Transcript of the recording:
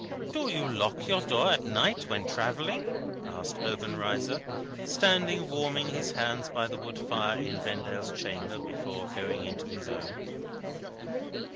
"Do you lock your door at night when travelling?" asked Obenreizer, standing warming his hands by the wood fire in Vendale's chamber, before going to his own.